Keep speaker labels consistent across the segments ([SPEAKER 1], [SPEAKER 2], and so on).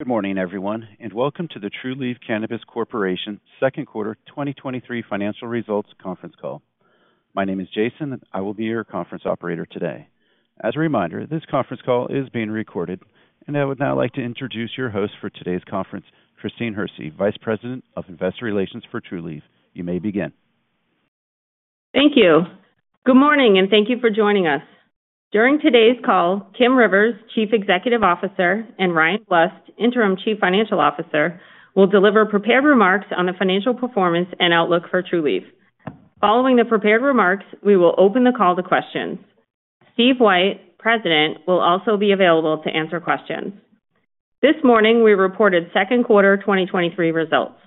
[SPEAKER 1] Good morning, everyone, and welcome to the Trulieve Cannabis Corp. second quarter 2023 financial results conference call. My name is Jason, and I will be your conference operator today. As a reminder, this conference call is being recorded, and I would now like to introduce your host for today's conference, Christine Hersey, Vice President of Investor Relations for Trulieve. You may begin.
[SPEAKER 2] Thank you. Good morning, and thank you for joining us. During today's call, Kim Rivers, Chief Executive Officer, and Ryan Blust, Interim Chief Financial Officer, will deliver prepared remarks on the financial performance and outlook for Trulieve. Following the prepared remarks, we will open the call to questions. Steve White, President, will also be available to answer questions. This morning, we reported second quarter 2023 results.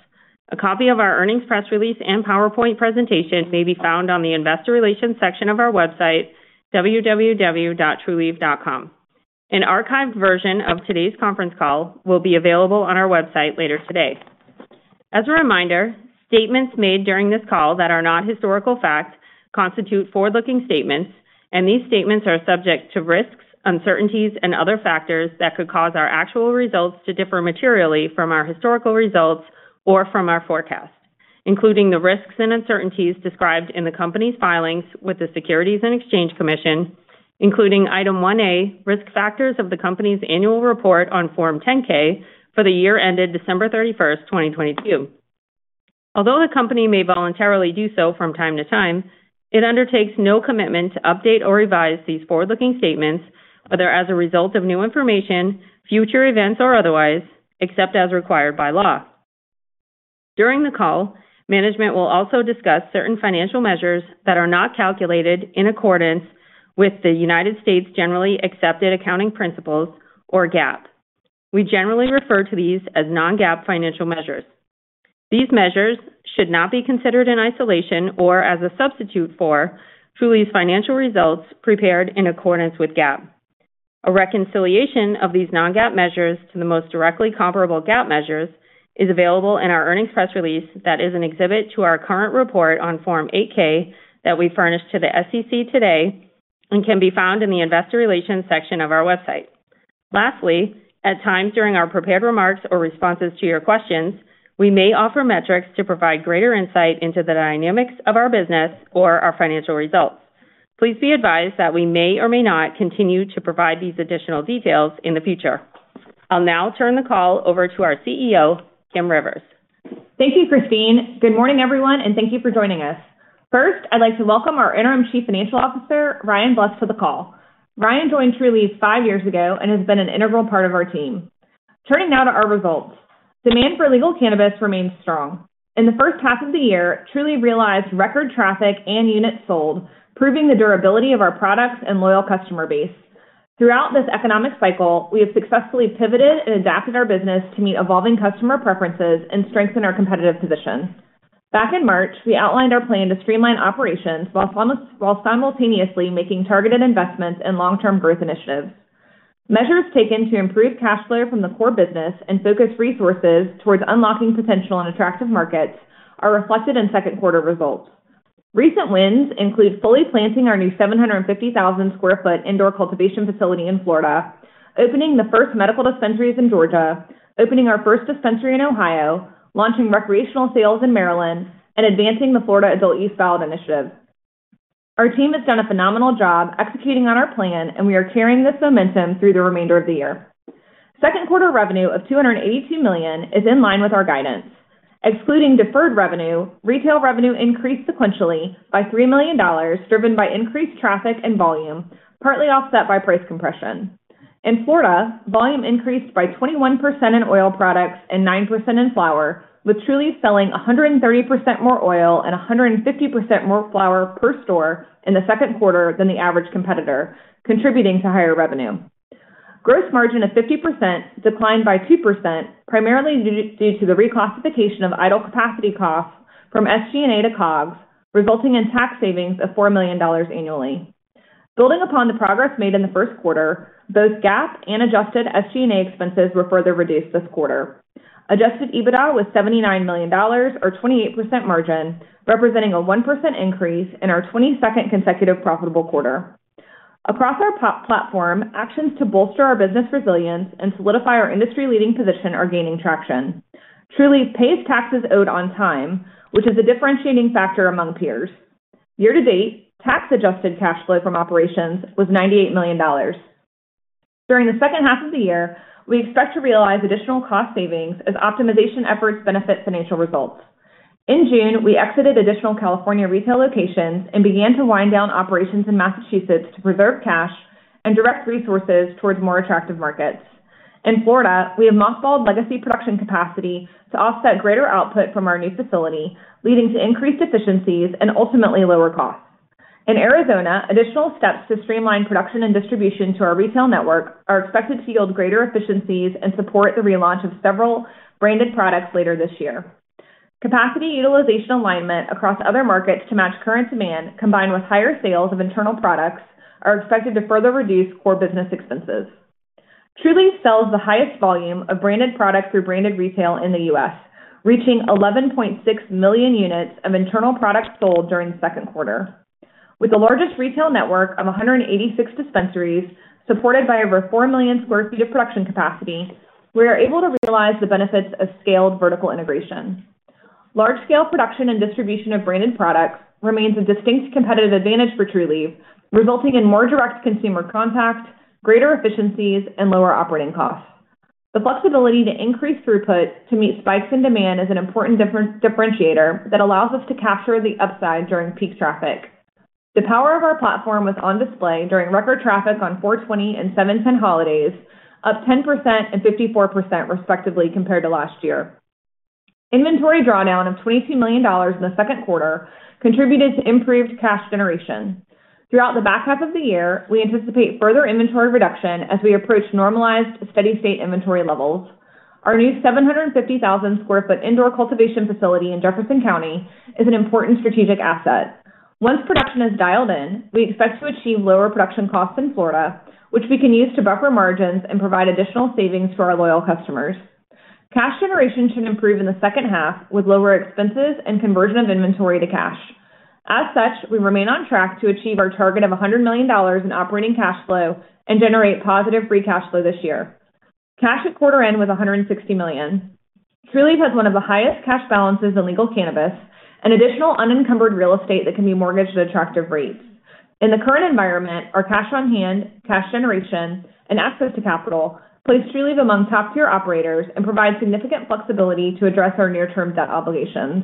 [SPEAKER 2] A copy of our earnings press release and PowerPoint presentation may be found on the investor relations section of our website, www.trulieve.com. An archived version of today's conference call will be available on our website later today. As a reminder, statements made during this call that are not historical facts constitute forward-looking statements, and these statements are subject to risks, uncertainties, and other factors that could cause our actual results to differ materially from our historical results or from our forecasts, including the risks and uncertainties described in the company's filings with the Securities and Exchange Commission, including Item 1A, Risk Factors of the Company's Annual Report on Form 10-K for the year ended December 31st, 2022. Although the company may voluntarily do so from time to time, it undertakes no commitment to update or revise these forward-looking statements, whether as a result of new information, future events, or otherwise, except as required by law. During the call, management will also discuss certain financial measures that are not calculated in accordance with the United States generally accepted accounting principles, or GAAP. We generally refer to these as non-GAAP financial measures. These measures should not be considered in isolation or as a substitute for Trulieve's financial results prepared in accordance with GAAP. A reconciliation of these non-GAAP measures to the most directly comparable GAAP measures is available in our earnings press release that is an exhibit to our current report on Form 8-K that we furnished to the SEC today and can be found in the investor relations section of our website. Lastly, at times during our prepared remarks or responses to your questions, we may offer metrics to provide greater insight into the dynamics of our business or our financial results. Please be advised that we may or may not continue to provide these additional details in the future. I'll now turn the call over to our CEO, Kim Rivers.
[SPEAKER 3] Thank you, Christine. Good morning, everyone, and thank you for joining us. First, I'd like to welcome our Interim Chief Financial Officer, Ryan Blust, to the call. Ryan joined Trulieve five years ago and has been an integral part of our team. Turning now to our results. Demand for legal cannabis remains strong. In the first half of the year, Trulieve realized record traffic and units sold, proving the durability of our products and loyal customer base. Throughout this economic cycle, we have successfully pivoted and adapted our business to meet evolving customer preferences and strengthen our competitive position. Back in March, we outlined our plan to streamline operations while simultaneously making targeted investments in long-term growth initiatives. Measures taken to improve cash flow from the core business and focus resources towards unlocking potential in attractive markets are reflected in second quarter results. Recent wins include fully planting our new 750,000 sq ft indoor cultivation facility in Florida, opening the first medical dispensaries in Georgia, opening our first dispensary in Ohio, launching recreational sales in Maryland, and advancing the Florida adult use ballot initiative. Our team has done a phenomenal job executing on our plan. We are carrying this momentum through the remainder of the year. Second quarter revenue of $282 million is in line with our guidance. Excluding deferred revenue, retail revenue increased sequentially by $3 million, driven by increased traffic and volume, partly offset by price compression. In Florida, volume increased by 21% in oil products and 9% in flower, with Trulieve selling 130% more oil and 150% more flower per store in the second quarter than the average competitor, contributing to higher revenue. Gross margin of 50% declined by 2%, primarily due to the reclassification of idle capacity costs from SG&A to COGS, resulting in tax savings of $4 million annually. Building upon the progress made in the first quarter, both GAAP and adjusted SG&A expenses were further reduced this quarter. Adjusted EBITDA was $79 million, or 28% margin, representing a 1% increase in our 22nd consecutive profitable quarter. Across our platform, actions to bolster our business resilience and solidify our industry-leading position are gaining traction. Trulieve pays taxes owed on time, which is a differentiating factor among peers. Year-to-date, tax-adjusted cash flow from operations was $98 million. During the second half of the year, we expect to realize additional cost savings as optimization efforts benefit financial results. In June, we exited additional California retail locations and began to wind down operations in Massachusetts to preserve cash and direct resources towards more attractive markets. In Florida, we have mothballed legacy production capacity to offset greater output from our new facility, leading to increased efficiencies and ultimately lower costs. In Arizona, additional steps to streamline production and distribution to our retail network are expected to yield greater efficiencies and support the relaunch of several branded products later this year. Capacity utilization alignment across other markets to match current demand, combined with higher sales of internal products, are expected to further reduce core business expenses. Trulieve sells the highest volume of branded products through branded retail in the U.S., reaching 11.6 million units of internal products sold during the second quarter. With the largest retail network of 186 dispensaries, supported by over 4 million sq ft of production capacity, we are able to realize the benefits of scaled vertical integration. Large-scale production and distribution of branded products remains a distinct competitive advantage for Trulieve, resulting in more direct consumer contact, greater efficiencies, and lower operating costs. The flexibility to increase throughput to meet spikes in demand is an important differentiator that allows us to capture the upside during peak traffic. The power of our platform was on display during record traffic on 4/20 and 7/10 holidays, up 10% and 54%, respectively, compared to last year. Inventory drawdown of $22 million in the second quarter contributed to improved cash generation. Throughout the back half of the year, we anticipate further inventory reduction as we approach normalized steady-state inventory levels. Our new 750,000 sq ft indoor cultivation facility in Jefferson County is an important strategic asset. Once production is dialed in, we expect to achieve lower production costs in Florida, which we can use to buffer margins and provide additional savings for our loyal customers. Cash generation should improve in the second half with lower expenses and conversion of inventory to cash. As such, we remain on track to achieve our target of $100 million in operating cash flow and generate positive free cash flow this year. Cash at quarter end was $160 million. Trulieve has one of the highest cash balances in legal cannabis, and additional unencumbered real estate that can be mortgaged at attractive rates. In the current environment, our cash on hand, cash generation, and access to capital place Trulieve among top-tier operators and provide significant flexibility to address our near-term debt obligations.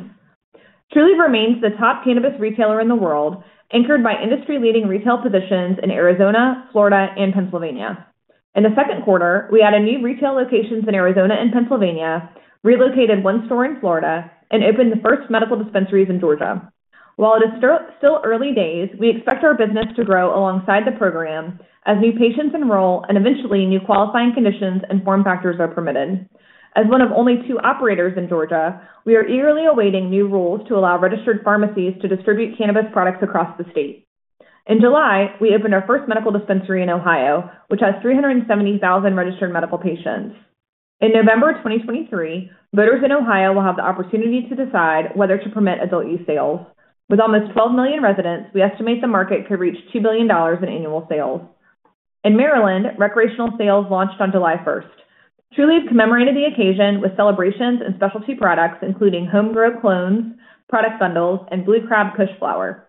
[SPEAKER 3] Trulieve remains the top cannabis retailer in the world, anchored by industry-leading retail positions in Arizona, Florida, and Pennsylvania. In the second quarter, we added new retail locations in Arizona and Pennsylvania, relocated one store in Florida, and opened the first medical dispensaries in Georgia. While it is still early days, we expect our business to grow alongside the program as new patients enroll and eventually new qualifying conditions and form factors are permitted. As one of only two operators in Georgia, we are eagerly awaiting new rules to allow registered pharmacies to distribute cannabis products across the state. In July, we opened our first medical dispensary in Ohio, which has 370,000 registered medical patients. In November of 2023, voters in Ohio will have the opportunity to decide whether to permit adult-use sales. With almost 12 million residents, we estimate the market could reach $2 billion in annual sales. In Maryland, recreational sales launched on July 1st. Trulieve commemorated the occasion with celebrations and specialty products, including home-grown clones, product bundles, and Blue Crab Kush flower.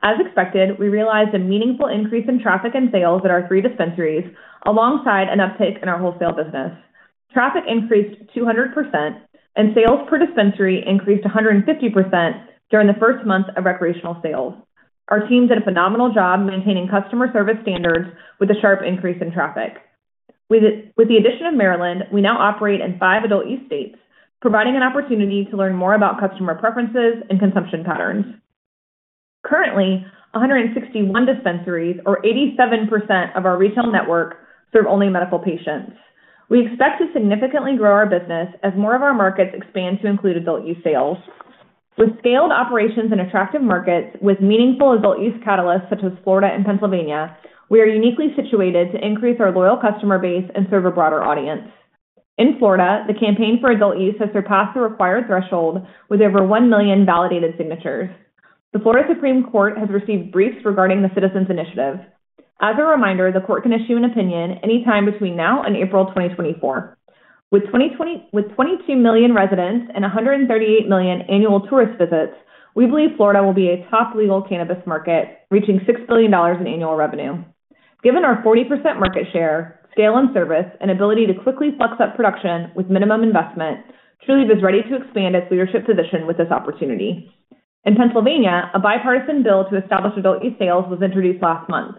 [SPEAKER 3] As expected, we realized a meaningful increase in traffic and sales at our three dispensaries, alongside an uptick in our wholesale business. Traffic increased 200%, and sales per dispensary increased 150% during the first month of recreational sales. Our team did a phenomenal job maintaining customer service standards with a sharp increase in traffic. With the addition of Maryland, we now operate in five adult-use states, providing an opportunity to learn more about customer preferences and consumption patterns. Currently, 161 dispensaries, or 87% of our retail network, serve only medical patients. We expect to significantly grow our business as more of our markets expand to include adult-use sales. With scaled operations in attractive markets, with meaningful adult-use catalysts such as Florida and Pennsylvania, we are uniquely situated to increase our loyal customer base and serve a broader audience. In Florida, the campaign for adult use has surpassed the required threshold with over 1 million validated signatures. The Florida Supreme Court has received briefs regarding the citizen's initiative. As a reminder, the court can issue an opinion anytime between now and April 2024. With 22 million residents and 138 million annual tourist visits, we believe Florida will be a top legal cannabis market, reaching $6 billion in annual revenue. Given our 40% market share, scale and service, and ability to quickly flex up production with minimum investment, Trulieve is ready to expand its leadership position with this opportunity. In Pennsylvania, a bipartisan bill to establish adult-use sales was introduced last month.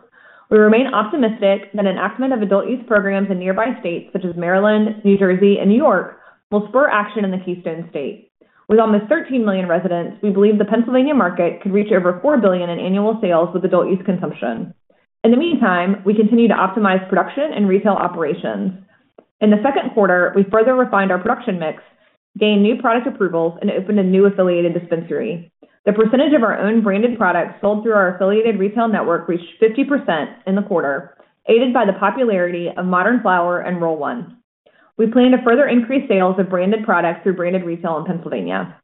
[SPEAKER 3] We remain optimistic that enactment of adult-use programs in nearby states such as Maryland, New Jersey, and New York will spur action in the Keystone State. With almost 13 million residents, we believe the Pennsylvania market could reach over $4 billion in annual sales with adult-use consumption. In the meantime, we continue to optimize production and retail operations. In the second quarter, we further refined our production mix, gained new product approvals, and opened a new affiliated dispensary. The percentage of our own branded products sold through our affiliated retail network reached 50% in the quarter, aided by the popularity of Modern Flower and Roll One. We plan to further increase sales of branded products through branded retail in Pennsylvania.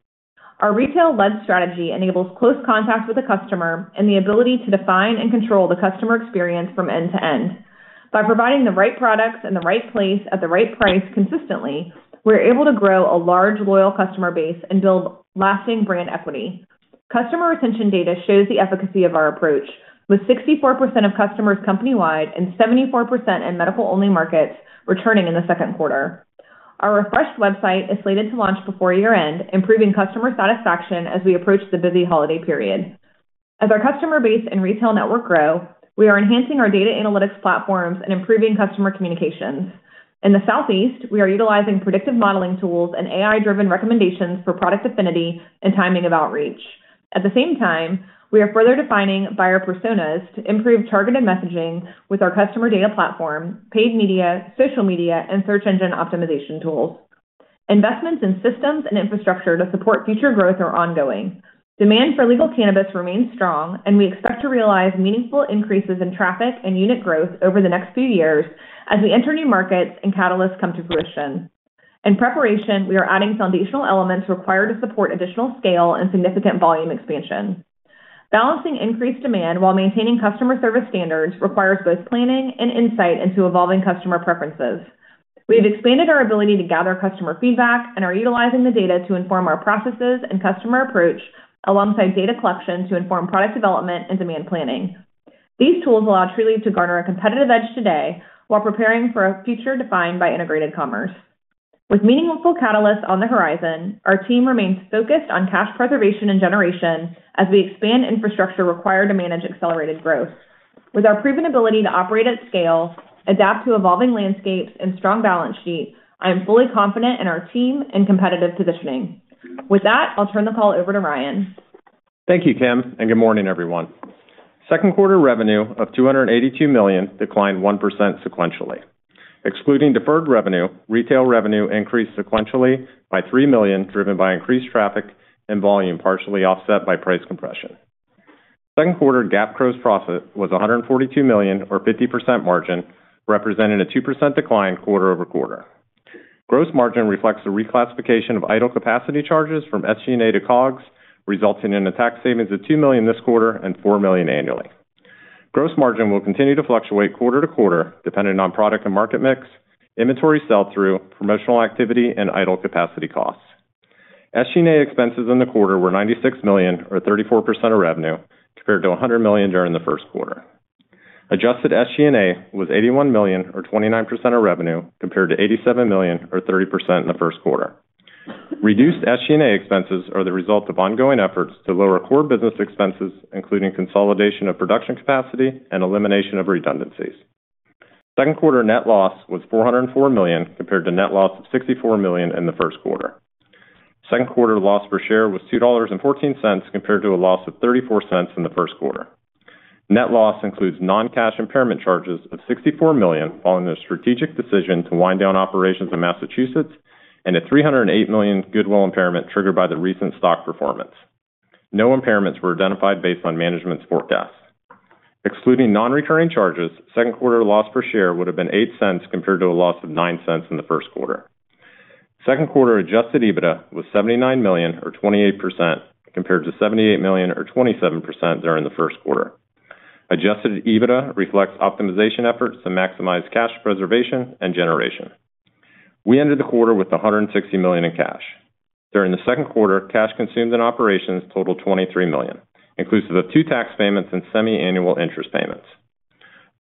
[SPEAKER 3] Our retail-led strategy enables close contact with the customer and the ability to define and control the customer experience from end to end. By providing the right products in the right place, at the right price consistently, we're able to grow a large, loyal customer base and build lasting brand equity. Customer retention data shows the efficacy of our approach, with 64% of customers company-wide and 74% in medical-only markets returning in the second quarter. Our refreshed website is slated to launch before year-end, improving customer satisfaction as we approach the busy holiday period. As our customer base and retail network grow, we are enhancing our data analytics platforms and improving customer communications. In the Southeast, we are utilizing predictive modeling tools and AI-driven recommendations for product affinity and timing of outreach. At the same time, we are further defining buyer personas to improve targeted messaging with our customer data platform, paid media, social media, and search engine optimization tools. Investments in systems and infrastructure to support future growth are ongoing. Demand for legal cannabis remains strong. We expect to realize meaningful increases in traffic and unit growth over the next few years as we enter new markets and catalysts come to fruition. In preparation, we are adding foundational elements required to support additional scale and significant volume expansion. Balancing increased demand while maintaining customer service standards requires both planning and insight into evolving customer preferences. We have expanded our ability to gather customer feedback and are utilizing the data to inform our processes and customer approach, alongside data collection to inform product development and demand planning. These tools allow Trulieve to garner a competitive edge today while preparing for a future defined by integrated commerce. With meaningful catalysts on the horizon, our team remains focused on cash preservation and generation as we expand infrastructure required to manage accelerated growth. With our proven ability to operate at scale, adapt to evolving landscapes, and strong balance sheet, I am fully confident in our team and competitive positioning. With that, I'll turn the call over to Ryan.
[SPEAKER 4] Thank you, Kim. Good morning, everyone. Second quarter revenue of $282 million declined 1% sequentially. Excluding deferred revenue, retail revenue increased sequentially by $3 million, driven by increased traffic and volume, partially offset by price compression. Second quarter GAAP gross profit was $142 million, or 50% margin, representing a 2% decline quarter-over-quarter. Gross margin reflects a reclassification of idle capacity charges from SG&A to COGS, resulting in a tax savings of $2 million this quarter and $4 million annually. Gross margin will continue to fluctuate quarter-to-quarter, depending on product and market mix, inventory sell-through, promotional activity, and idle capacity costs. SG&A expenses in the quarter were $96 million, or 34% of revenue, compared to $100 million during the first quarter. Adjusted SG&A was $81 million, or 29% of revenue, compared to $87 million, or 30% in the first quarter. Reduced SG&A expenses are the result of ongoing efforts to lower core business expenses, including consolidation of production capacity and elimination of redundancies. Second quarter net loss was $404 million, compared to net loss of $64 million in the first quarter. Second quarter loss per share was $2.14, compared to a loss of $0.34 in the first quarter. Net loss includes non-cash impairment charges of $64 million, following the strategic decision to wind down operations in Massachusetts, and a $308 million goodwill impairment triggered by the recent stock performance. No impairments were identified based on management's forecasts. Excluding non-recurring charges, second quarter loss per share would have been $0.08, compared to a loss of $0.09 in the first quarter. Second quarter adjusted EBITDA was $79 million, or 28%, compared to $78 million, or 27%, during the first quarter. Adjusted EBITDA reflects optimization efforts to maximize cash preservation and generation. We ended the quarter with $160 million in cash. During the second quarter, cash consumed in operations totaled $23 million, inclusive of two tax payments and semiannual interest payments.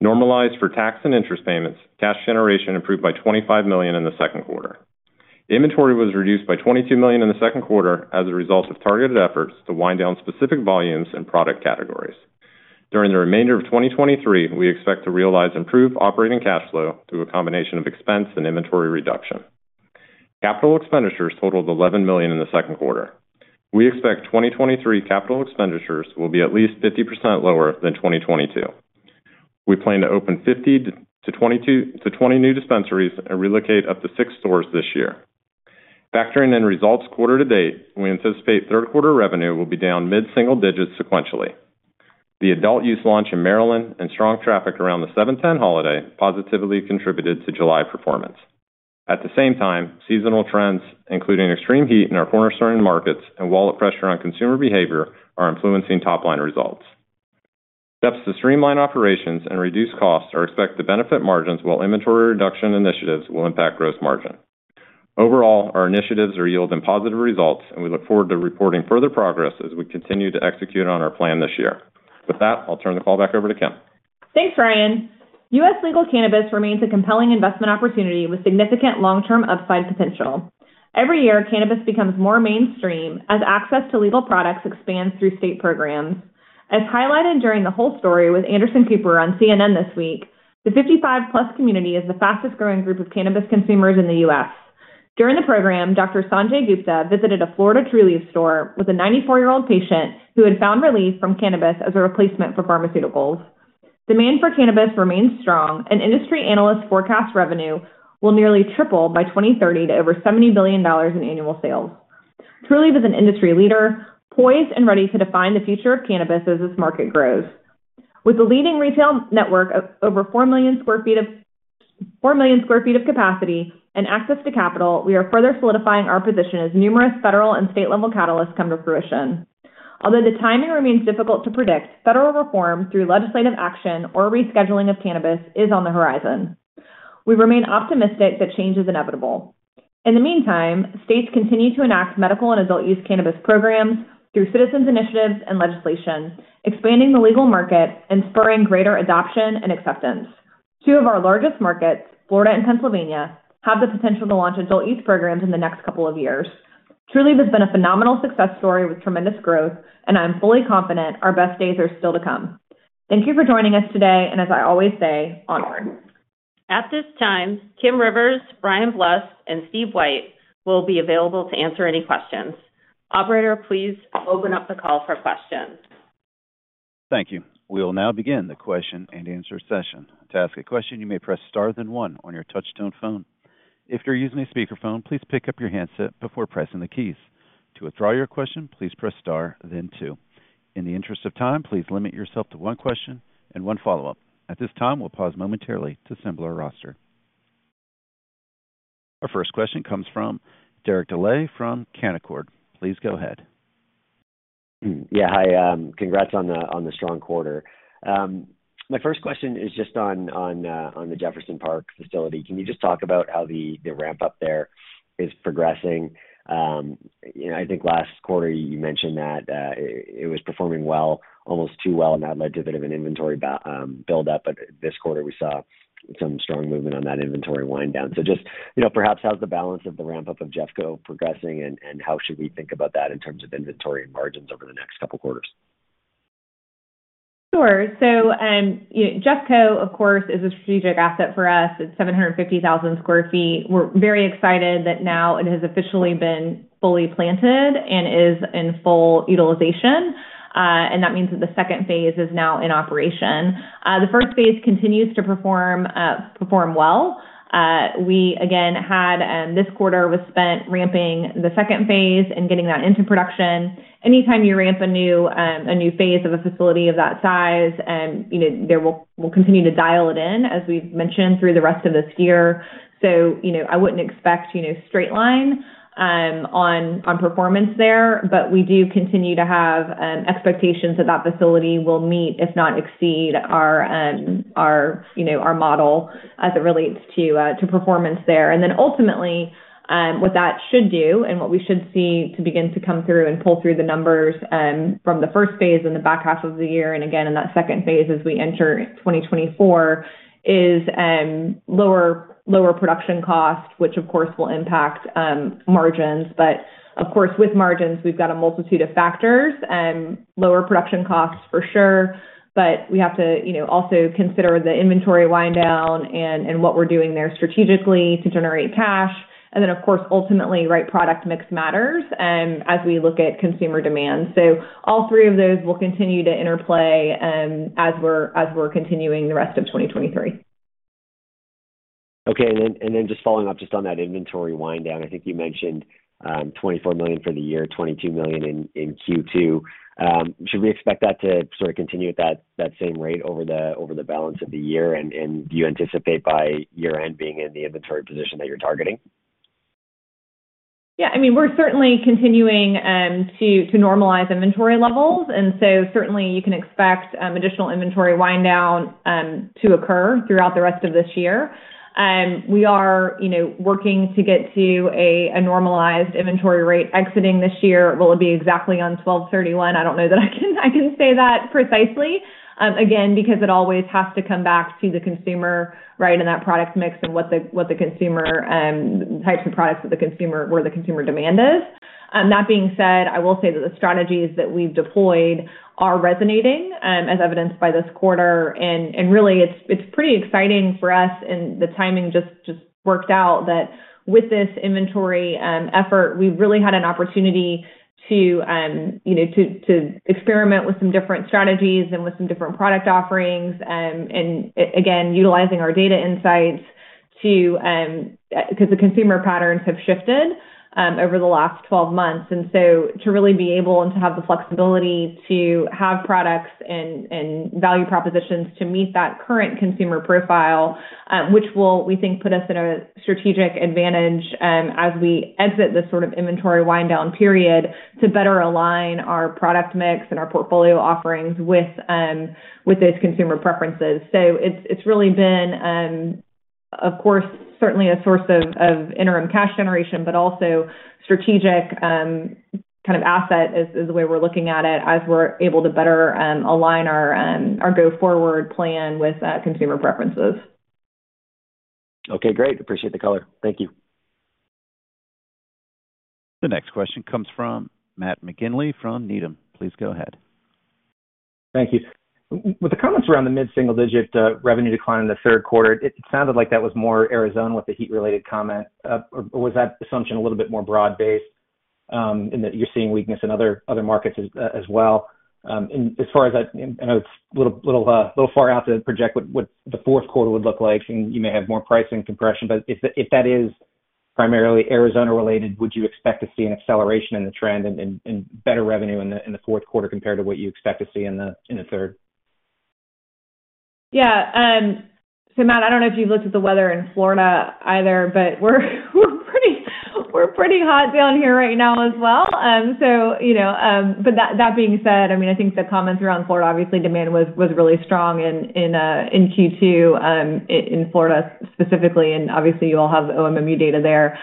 [SPEAKER 4] Normalized for tax and interest payments, cash generation improved by $25 million in the second quarter. Inventory was reduced by $22 million in the second quarter as a result of targeted efforts to wind down specific volumes and product categories. During the remainder of 2023, we expect to realize improved operating cash flow through a combination of expense and inventory reduction. Capital expenditures totaled $11 million in the second quarter. We expect 2023 capital expenditures will be at least 50% lower than 2022. We plan to open 50 to 20 new dispensaries and relocate up to six stores this year. Factoring in results quarter to date, we anticipate third quarter revenue will be down mid-single digits sequentially. The adult use launch in Maryland and strong traffic around the 7/10 holiday positively contributed to July performance. At the same time, seasonal trends, including extreme heat in our cornerstone markets and wallet pressure on consumer behavior, are influencing top-line results. Steps to streamline operations and reduce costs are expected to benefit margins, while inventory reduction initiatives will impact gross margin. Overall, our initiatives are yielding positive results, and we look forward to reporting further progress as we continue to execute on our plan this year. With that, I'll turn the call back over to Kim.
[SPEAKER 3] Thanks, Ryan. U.S. legal cannabis remains a compelling investment opportunity with significant long-term upside potential. Every year, cannabis becomes more mainstream as access to legal products expands through state programs. As highlighted during The Whole Story with Anderson Cooper on CNN this week, the 55+ community is the fastest growing group of cannabis consumers in the U.S. During the program, Dr. Sanjay Gupta visited a Florida Trulieve store with a 94-year-old patient who had found relief from cannabis as a replacement for pharmaceuticals. Demand for cannabis remains strong, and industry analysts forecast revenue will nearly triple by 2030 to over $70 billion in annual sales. Trulieve is an industry leader, poised and ready to define the future of cannabis as this market grows. With a leading retail network of over 4 million sq ft of capacity and access to capital, we are further solidifying our position as numerous federal and state-level catalysts come to fruition. Although the timing remains difficult to predict, federal reform through legislative action or rescheduling of cannabis is on the horizon. We remain optimistic that change is inevitable. In the meantime, states continue to enact medical and adult-use cannabis programs through citizens' initiatives and legislation, expanding the legal market and spurring greater adoption and acceptance. Two of our largest markets, Florida and Pennsylvania, have the potential to launch adult-use programs in the next couple of years. Trulieve has been a phenomenal success story with tremendous growth, and I am fully confident our best days are still to come. Thank you for joining us today, and as I always say, onward.
[SPEAKER 2] At this time, Kim Rivers, Ryan Blust, and Steve White will be available to answer any questions. Operator, please open up the call for questions.
[SPEAKER 1] Thank you. We will now begin the question and answer session. To ask a question, you may press star then one on your touch-tone phone. If you're using a speakerphone, please pick up your handset before pressing the keys. To withdraw your question, please press star then two. In the interest of time, please limit yourself to one question and one follow-up. At this time, we'll pause momentarily to assemble our roster. Our first question comes from Derek Dley from Canaccord. Please go ahead.
[SPEAKER 5] Yeah, hi. Congrats on the, on the strong quarter. My first question is just on, on, on the Jefferson County facility. Can you just talk about how the, the ramp-up there is progressing? you know, I think last quarter, you mentioned that it, it was performing well, almost too well, and that led to a bit of an inventory buildup, but this quarter we saw some strong movement on that inventory wind down. just, you know, perhaps how's the balance of the ramp-up of JeffCo progressing, and, and how should we think about that in terms of inventory and margins over the next couple of quarters?
[SPEAKER 3] Sure. You know, JeffCo, of course, is a strategic asset for us. It's 750,000 sq ft. We're very excited that now it has officially been fully planted and is in full utilization, and that means that the second phase is now in operation. The first phase continues to perform, perform well. We again had this quarter was spent ramping the second phase and getting that into production. Anytime you ramp a new, a new phase of a facility of that size, you know, there we'll, we'll continue to dial it in, as we've mentioned, through the rest of this year. You know, I wouldn't expect, you know, straight line on, on performance there, but we do continue to have expectations that that facility will meet, if not exceed, our, our, you know, our model as it relates to performance there. Ultimately, what that should do and what we should see to begin to come through and pull through the numbers from the first phase in the back half of the year, and again, in that second phase as we enter 2024, is lower, lower production cost, which of course, will impact margins. Of course, with margins, we've got a multitude of factors, lower production costs for sure, but we have to, you know, also consider the inventory wind down and, and what we're doing there strategically to generate cash. Then, of course, ultimately, right product mix matters, as we look at consumer demand. All three of those will continue to interplay, as we're continuing the rest of 2023.
[SPEAKER 5] Okay, and then, and then just following up, just on that inventory wind down, I think you mentioned, $24 million for the year, $22 million in, in Q2. Should we expect that to sort of continue at that, that same rate over the, over the balance of the year? Do you anticipate by year-end being in the inventory position that you're targeting?
[SPEAKER 3] Yeah, I mean, we're certainly continuing, to, to normalize inventory levels. Certainly you can expect, additional inventory wind down, to occur throughout the rest of this year. We are, you know, working to get to a, a normalized inventory rate exiting this year. Will it be exactly on 12/31? I don't know that I can, I can say that precisely, again, because it always has to come back to the consumer, right? That product mix and what the, what the consumer, types of products that the consumer, where the consumer demand is. That being said, I will say that the strategies that we've deployed are resonating, as evidenced by this quarter. Really, it's, it's pretty exciting for us. The timing just, just worked out that with this inventory effort, we've really had an opportunity to, you know, to, to experiment with some different strategies and with some different product offerings. Again, utilizing our data insights to, because the consumer patterns have shifted over the last 12 months. To really be able to have the flexibility to have products and, and value propositions to meet that current consumer profile, which will, we think, put us in a strategic advantage as we exit this sort of inventory wind down period, to better align our product mix and our portfolio offerings with those consumer preferences. It's, it's really been, of course, certainly a source of, of interim cash generation, but also strategic, kind of asset, is, is the way we're looking at it, as we're able to better align our, our go-forward plan with consumer preferences.
[SPEAKER 5] Okay, great. Appreciate the color. Thank you.
[SPEAKER 1] The next question comes from Matt McGinley from Needham. Please go ahead.
[SPEAKER 6] Thank you. With the comments around the mid-single digit revenue decline in the third quarter, it sounded like that was more Arizona with the heat-related comment. Was that assumption a little bit more broad-based in that you're seeing weakness in other, other markets as well? As far as that, I know it's a little, little, little far out to project what, what the fourth quarter would look like, and you may have more pricing compression, but if, if that is primarily Arizona-related, would you expect to see an acceleration in the trend and, and, and better revenue in the, in the fourth quarter compared to what you expect to see in the, in the third?
[SPEAKER 3] Yeah. Matt, I don't know if you've looked at the weather in Florida either, but we're, we're pretty, we're pretty hot down here right now as well. You know, but that, that being said, I mean, I think the comments around Florida, obviously, demand was, was really strong in, in Q2, in Florida specifically, and obviously you all have the OMMU data there.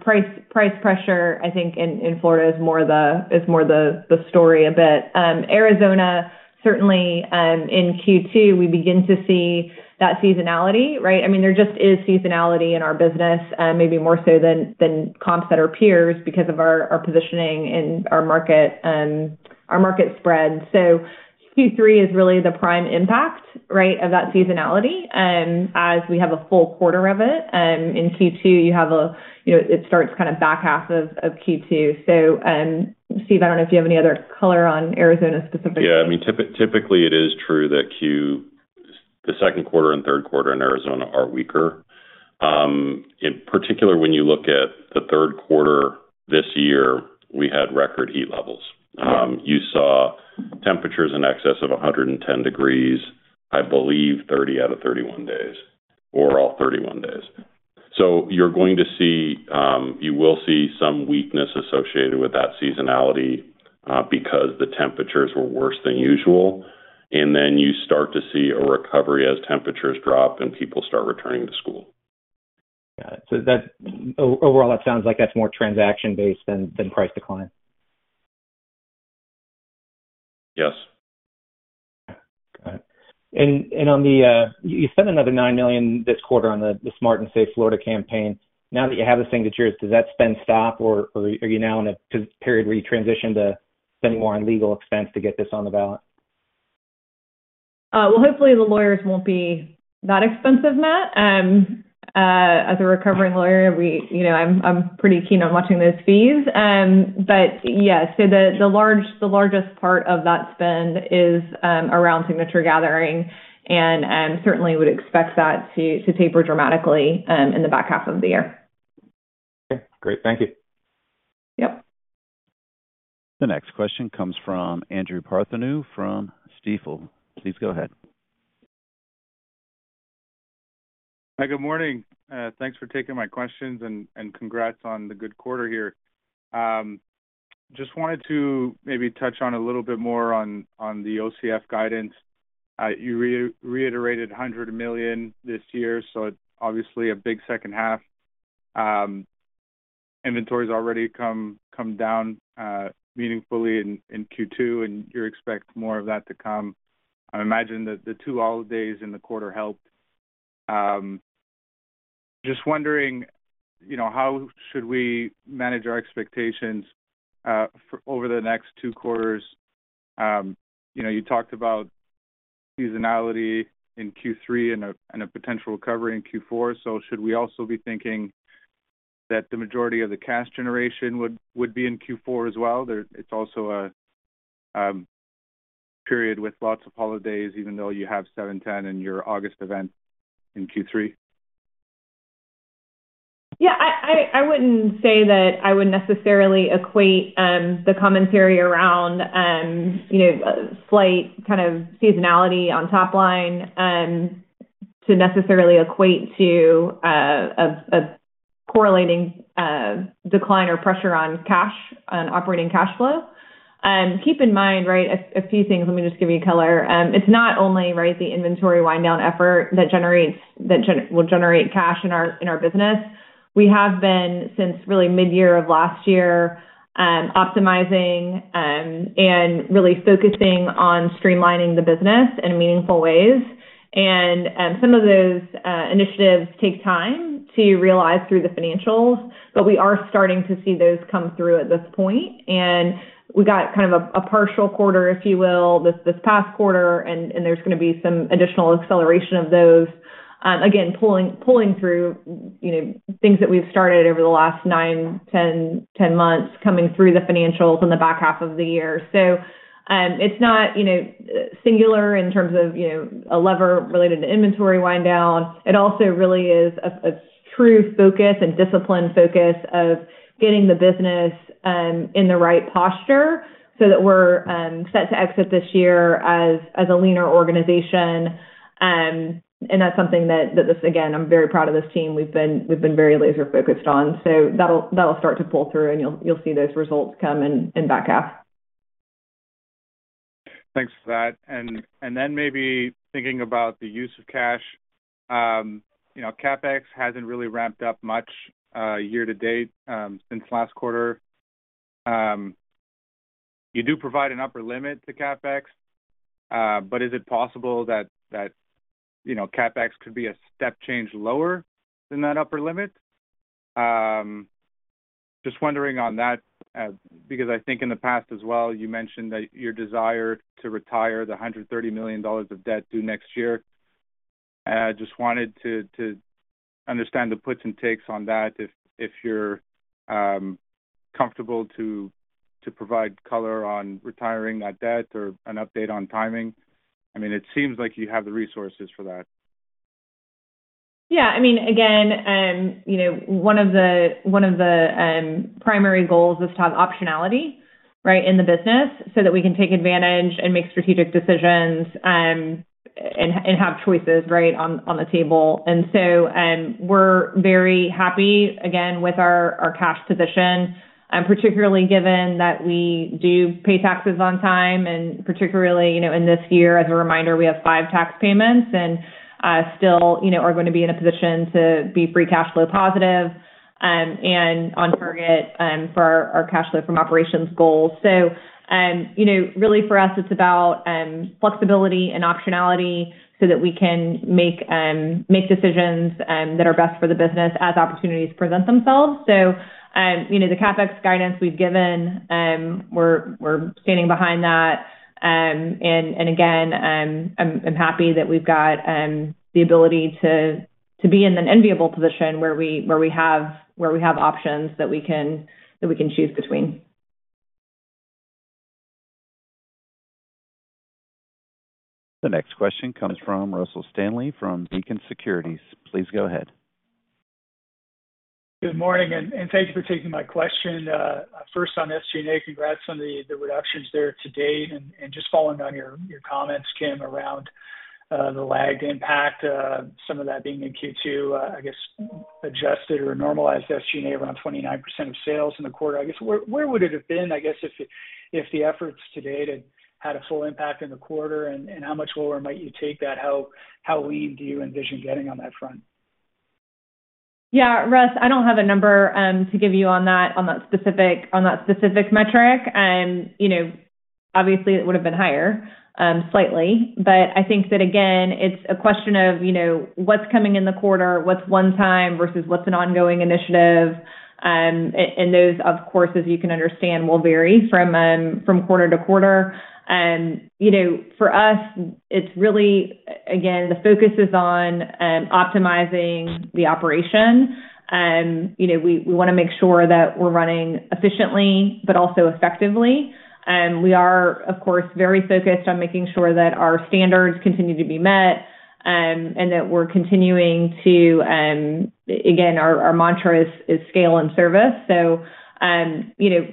[SPEAKER 3] Price, price pressure, I think in, in Florida is more the, is more the, the story a bit. Arizona, certainly, in Q2, we begin to see that seasonality, right? I mean, there just is seasonality in our business, maybe more so than, than comps that are peers because of our, our positioning and our market, our market spread. Q3 is really the prime impact, right, of that seasonality, as we have a full quarter of it. In Q2, you have You know, it starts kind of back half of, of Q2. Steve, I don't know if you have any other color on Arizona specifically.
[SPEAKER 7] Yeah, I mean, typically, it is true that the second quarter and third quarter in Arizona are weaker. In particular, when you look at the third quarter this year, we had record heat levels. You saw temperatures in excess of 110 degrees, I believe 30 out of 31 days or all 31 days. You're going to see, you will see some weakness associated with that seasonality, because the temperatures were worse than usual, and then you start to see a recovery as temperatures drop and people start returning to school.
[SPEAKER 6] Got it. Overall, that sounds like that's more transaction-based than, than price decline?
[SPEAKER 7] Yes.
[SPEAKER 6] Got it. On the, you spent another $9 million this quarter on the Smart & Safe Florida campaign. Now that you have the signatures, does that spend stop, or, or are you now in a period where you transition to spending more on legal expense to get this on the ballot?
[SPEAKER 3] Well, hopefully, the lawyers won't be that expensive, Matt. As a recovering lawyer, we, you know, I'm, I'm pretty keen on watching those fees. Yes, so the largest part of that spend is around signature gathering, and certainly would expect that to taper dramatically in the back half of the year.
[SPEAKER 6] Okay, great. Thank you.
[SPEAKER 3] Yep.
[SPEAKER 1] The next question comes from Andrew Partheniou, from Stifel. Please go ahead.
[SPEAKER 8] Hi, good morning. Thanks for taking my questions, and congrats on the good quarter here. Just wanted to maybe touch on a little bit more on the OCF guidance. You reiterated $100 million this year, so obviously a big second half. Inventory's already come down meaningfully in Q2, and you expect more of that to come. I imagine that the two holidays in the quarter helped. Just wondering, you know, how should we manage our expectations over the next two quarters? You know, you talked about seasonality in Q3 and a potential recovery in Q4. Should we also be thinking that the majority of the cash generation would be in Q4 as well? It's also a, period with lots of holidays, even though you have 7/10 in your August event in Q3.
[SPEAKER 3] Yeah, I, I, I wouldn't say that I would necessarily equate, the commentary around, you know, slight kind of seasonality on top line, to necessarily equate to a correlating decline or pressure on cash and operating cash flow. Keep in mind, right, a few things, let me just give you color. It's not only, right, the inventory wind down effort that will generate cash in our, in our business. We have been, since really mid-year of last year, optimizing and really focusing on streamlining the business in meaningful ways. Some of those initiatives take time to realize through the financials, but we are starting to see those come through at this point. We got kind of a, a partial quarter, if you will, this, this past quarter, and, and there's going to be some additional acceleration of those. Again, pulling, pulling through, you know, things that we've started over the last nine, 10, 10 months, coming through the financials in the back half of the year. It's not, you know, singular in terms of, you know, a lever related to inventory wind down. It also really is a, a true focus and disciplined focus of getting the business, in the right posture so that we're, set to exit this year as, as a leaner organization. That's something that, that again, I'm very proud of this team. We've been, we've been very laser-focused on. That'll, that'll start to pull through, and you'll, you'll see those results come in, in back half.
[SPEAKER 8] Thanks for that. Then maybe thinking about the use of cash, you know, CapEx hasn't really ramped up much year to date since last quarter. You do provide an upper limit to CapEx, is it possible that, that, you know, CapEx could be a step change lower than that upper limit? Just wondering on that, because I think in the past as well, you mentioned that your desire to retire the $130 million of debt due next year. I just wanted to, to understand the puts and takes on that, if, if you're comfortable to, to provide color on retiring that debt or an update on timing. I mean, it seems like you have the resources for that.
[SPEAKER 3] Yeah, I mean, again, you know, one of the, one of the, primary goals is to have optionality, right, in the business, so that we can take advantage and make strategic decisions, and, and have choices, right, on, on the table. We're very happy again, with our, our cash position, particularly given that we do pay taxes on time, and particularly, you know, in this year, as a reminder, we have five tax payments and, still, you know, are going to be in a position to be free cash flow positive, and on target, for our cash flow from operations goals. You know, really for us, it's about, flexibility and optionality so that we can make, make decisions, that are best for the business as opportunities present themselves. You know, the CapEx guidance we've given, we're standing behind that. Again, I'm happy that we've got the ability to be in an enviable position where we, where we have, where we have options that we can, that we can choose between.
[SPEAKER 1] The next question comes from Russell Stanley from Beacon Securities. Please go ahead.
[SPEAKER 9] Good morning. Thank you for taking my question. First, on SG&A, congrats on the, the reductions there to date. Just following on your, your comments, Kim, around the lagged impact, some of that being in Q2, I guess, adjusted or normalized SG&A around 29% of sales in the quarter. I guess, where, where would it have been, I guess, if the, if the efforts to date had a full impact in the quarter? How much lower might you take that? How, how lean do you envision getting on that front?
[SPEAKER 3] Yeah, Russ, I don't have a number to give you on that, on that specific, on that specific metric. You know, obviously, it would have been higher, slightly, but I think that, again, it's a question of, you know, what's one time versus what's an ongoing initiative. And those, of course, as you can understand, will vary from quarter to quarter. You know, for us, it's really, again, the focus is on optimizing the operation. You know, we, we wanna make sure that we're running efficiently but also effectively. We are, of course, very focused on making sure that our standards continue to be met, and that we're continuing to, again, our mantra is, is scale and service. You know, we,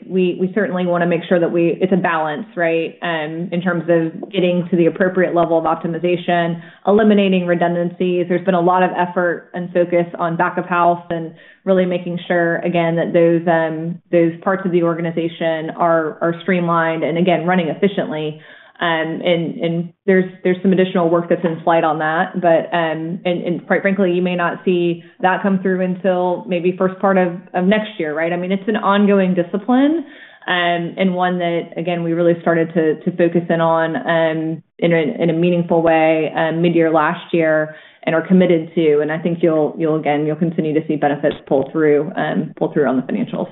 [SPEAKER 3] we certainly wanna make sure that we, it's a balance, right, in terms of getting to the appropriate level of optimization, eliminating redundancies. There's been a lot of effort and focus on back of house and really making sure, again, that those, those parts of the organization are, are streamlined and again, running efficiently. And there's, there's some additional work that's in flight on that, but, and, and quite frankly, you may not see that come through until maybe first part of next year, right? I mean, it's an ongoing discipline, and one that, again, we really started to focus in on, in a, in a meaningful way, mid-year last year, and are committed to. I think you'll, you'll, again, you'll continue to see benefits pull through, pull through on the financials.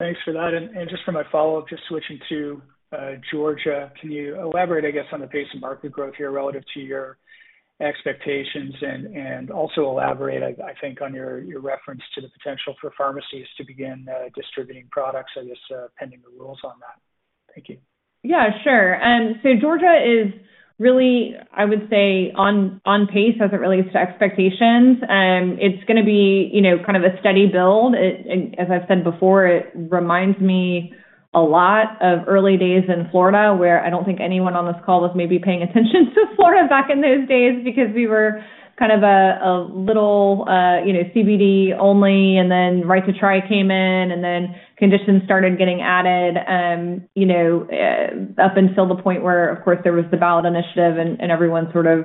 [SPEAKER 9] Thanks for that. Just for my follow-up, just switching to Georgia, can you elaborate, I guess, on the pace of market growth here relative to your expectations? Also elaborate, I, I think, on your, your reference to the potential for pharmacies to begin distributing products, I guess, pending the rules on that. Thank you.
[SPEAKER 3] Yeah, sure. Georgia is really, I would say, on, on pace as it relates to expectations. It's gonna be, you know, kind of a steady build. It, and as I've said before, it reminds me a lot of early days in Florida, where I don't think anyone on this call was maybe paying attention to Florida back in those days because we were kind of a, a little, you know, CBD only, and then Right to Try came in, and then conditions started getting added, you know, up until the point where, of course, there was the ballot initiative, and everyone sort of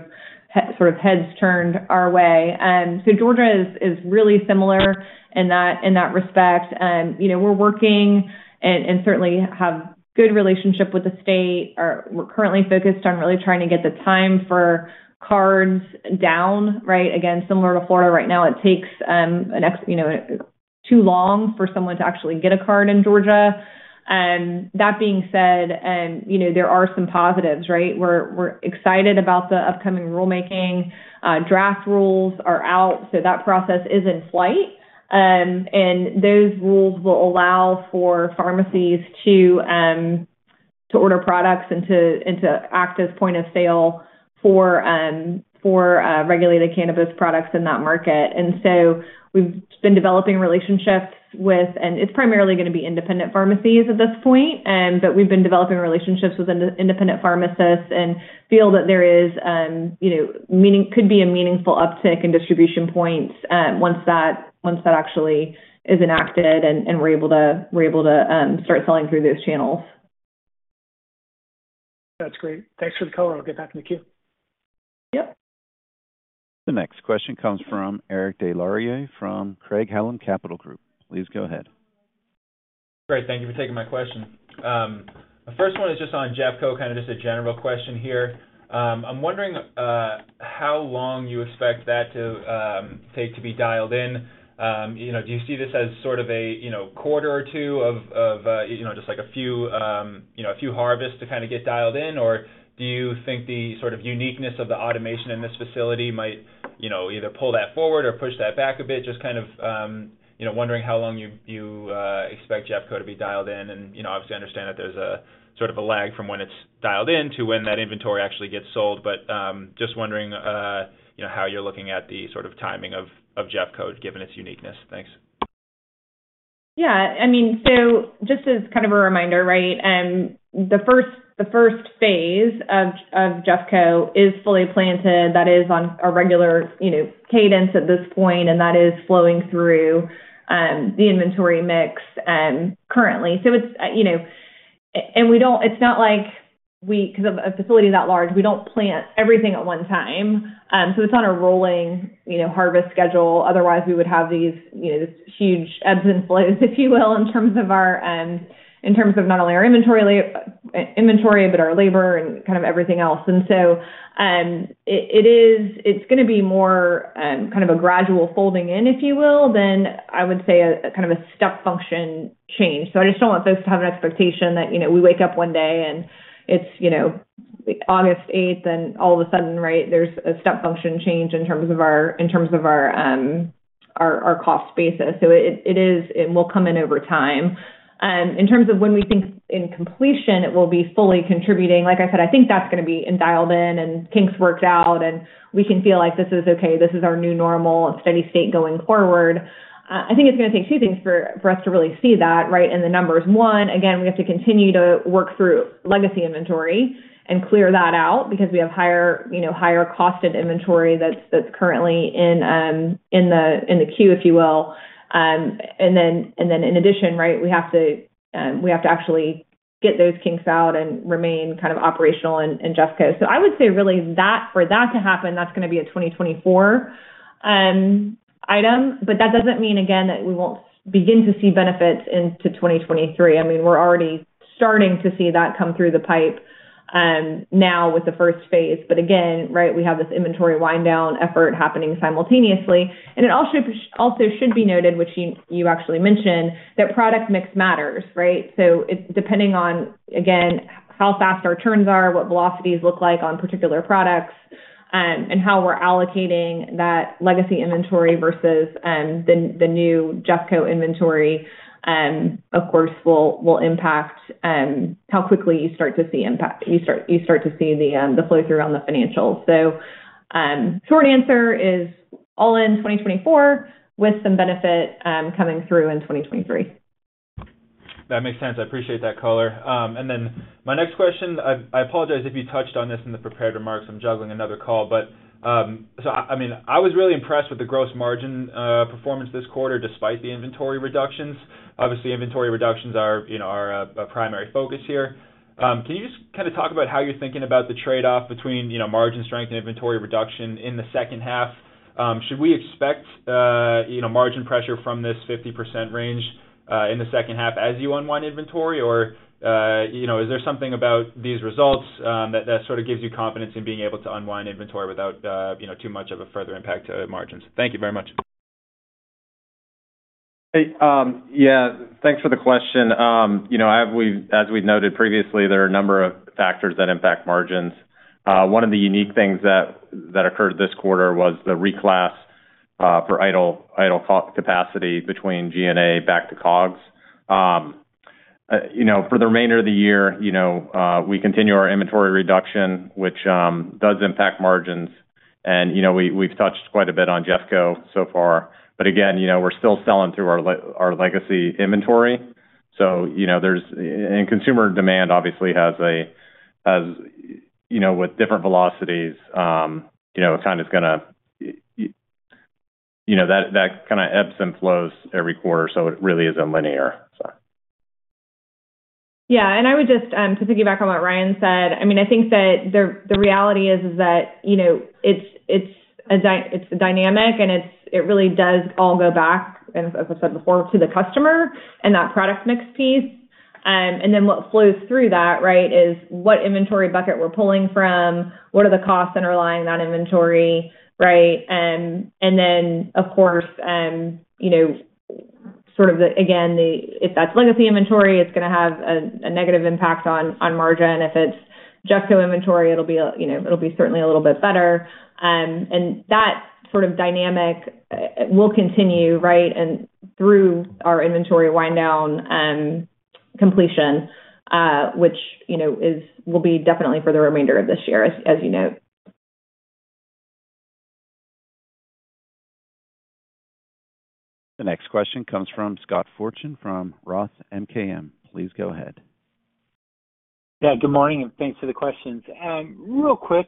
[SPEAKER 3] heads turned our way. Georgia is, is really similar in that, in that respect. You know, we're working, and certainly have good relationship with the state. We're currently focused on really trying to get the time for cards down, right? Again, similar to Florida, right now, it takes, you know, too long for someone to actually get a card in Georgia. That being said, you know, there are some positives, right? We're, we're excited about the upcoming rulemaking. Draft rules are out, so that process is in flight. Those rules will allow for pharmacies to, to order products and to, and to act as point of sale for, for, regulated cannabis products in that market. We've been developing relationships with. It's primarily gonna be independent pharmacies at this point, but we've been developing relationships with independent pharmacists and feel that there is, you know, could be a meaningful uptick in distribution points, once that, once that actually is enacted and, and we're able to, we're able to, start selling through those channels.
[SPEAKER 9] That's great. Thanks for the color. I'll get back in the queue.
[SPEAKER 3] Yep.
[SPEAKER 1] The next question comes from Eric Des Lauriers, from Craig-Hallum Capital Group. Please go ahead.
[SPEAKER 10] Great. Thank you for taking my question. The first one is just on JeffCo, kind of just a general question here. I'm wondering how long you expect that to take to be dialed in. You know, do you see this as sort of a, you know, quarter or two of, of, you know, just like a few, you know, a few harvests to kind of get dialed in? Or do you think the sort of uniqueness of the automation in this facility might, you know, either pull that forward or push that back a bit? Just kind of, you know, wondering how long you, you, expect JeffCo to be dialed in. And, you know, obviously, I understand that there's a sort of a lag from when it's dialed in to when that inventory actually gets sold. Just wondering, you know, how you're looking at the sort of timing of, of JeffCo, given its uniqueness. Thanks.
[SPEAKER 3] Yeah, I mean, just as kind of a reminder, right, the first, the first phase of JeffCo is fully planted. That is on a regular, you know, cadence at this point, that is flowing through the inventory mix currently. It's, you know, it's not like we, because of a facility that large, we don't plant everything at one time. It's on a rolling, you know, harvest schedule. Otherwise, we would have these, you know, this huge ebbs and flows, if you will, in terms of our, in terms of not only our inventory inventory, but our labor and kind of everything else. It is, it's going to be more, kind of a gradual folding in, if you will, than I would say a, a kind of a step function change. I just don't want folks to have an expectation that, you know, we wake up one day and it's, you know, August 8th, and all of a sudden, right, there's a step function change in terms of our, in terms of our, our, our cost basis. It, it is, it will come in over time. In terms of when we think in completion, it will be fully contributing, like I said, I think that's gonna be in dialed in and kinks worked out, and we can feel like this is okay, this is our new normal and steady state going forward. I think it's gonna take two things for, for us to really see that, right? The numbers one, again, we have to continue to work through legacy inventory and clear that out because we have higher, you know, higher costed inventory that's currently in, in the, in the queue, if you will. And then in addition, right, we have to actually get those kinks out and remain kind of operational in, in JeffCo. I would say really that, for that to happen, that's gonna be a 2024 item. That doesn't mean, again, that we won't begin to see benefits into 2023. I mean, we're already starting to see that come through the pipe, now with the first phase. Again, right, we have this inventory wind down effort happening simultaneously. It also should be noted, which you actually mentioned, that product mix matters, right? It's depending on, again, how fast our turns are, what velocities look like on particular products, and how we're allocating that legacy inventory versus the new JeffCo inventory, of course, will impact how quickly you start to see the flow through on the financials. Short answer is all in 2024, with some benefit coming through in 2023.
[SPEAKER 10] That makes sense. I appreciate that, color. My next question, I, I apologize if you touched on this in the prepared remarks. I'm juggling another call. I mean, I was really impressed with the gross margin performance this quarter, despite the inventory reductions. Obviously, inventory reductions are, you know, a primary focus here. Can you just kind of talk about how you're thinking about the trade-off between, you know, margin strength and inventory reduction in the second half? Should we expect, you know, margin pressure from this 50% range in the second half as you unwind inventory? You know, is there something about these results that, that sort of gives you confidence in being able to unwind inventory without, you know, too much of a further impact to margins? Thank you very much.
[SPEAKER 4] Hey, yeah, thanks for the question. You know, we've, as we've noted previously, there are a number of factors that impact margins. One of the unique things that occurred this quarter was the reclass for idle capacity between SG&A back to COGS. You know, for the remainder of the year, you know, we continue our inventory reduction, which does impact margins. You know, we've touched quite a bit on JeffCo so far. Again, you know, we're still selling through our legacy inventory. You know, and consumer demand obviously has a, has, you know, with different velocities, you know, that kind of ebbs and flows every quarter, so it really isn't linear, so.
[SPEAKER 3] Yeah, I would just, to piggyback on what Ryan said, I mean, I think that the, the reality is, is that, you know, it's dynamic, and it really does all go back, and as I said before, to the customer and that product mix piece. Then what flows through that, right, is what inventory bucket we're pulling from? What are the costs underlying that inventory? Right. Then, of course, you know, sort of the, again, if that's legacy inventory, it's gonna have a, a negative impact on, on margin. If it's JeffCo inventory, it'll be, you know, it'll be certainly a little bit better. That sort of dynamic will continue, right, and through our inventory wind down, completion, which, you know, will be definitely for the remainder of this year, as, as you note.
[SPEAKER 1] The next question comes from Scott Fortune, from Roth MKM. Please go ahead.
[SPEAKER 11] Yeah, good morning, and thanks for the questions. Real quick,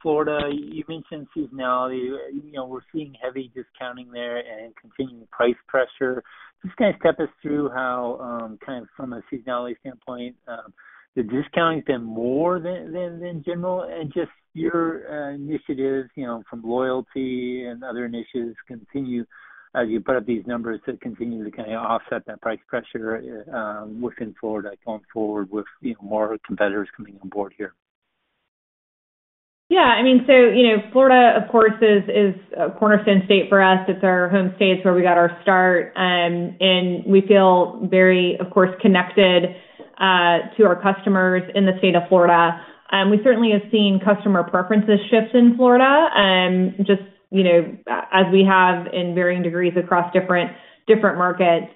[SPEAKER 11] Florida, you mentioned seasonality. You know, we're seeing heavy discounting there and continuing price pressure. Just kind of step us through how, kind of from a seasonality standpoint, the discounting has been more than, than, than general? Just your initiatives, you know, from loyalty and other initiatives continue as you put up these numbers to continue to kind of offset that price pressure, within Florida going forward with, you know, more competitors coming on board here?
[SPEAKER 3] Yeah, I mean, so, you know, Florida, of course, is, is a cornerstone state for us. It's our home state. It's where we got our start. And we feel very, of course, connected to our customers in the state of Florida. We certainly have seen customer preferences shifts in Florida, just, you know, as we have in varying degrees across different, different markets.